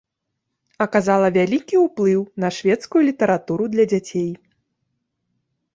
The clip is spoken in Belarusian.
Аказала вялікі ўплыў на шведскую літаратуру для дзяцей.